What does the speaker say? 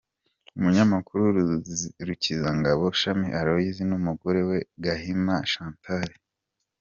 Umunyamakuru Rukizangabo Shami Aloys n’umugore we Gahima Chantal.